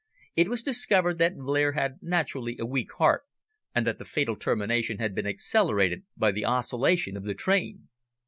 It was discovered that Blair had naturally a weak heart, and that the fatal termination had been accelerated by the oscillation of the train.